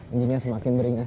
anjingnya semakin beringat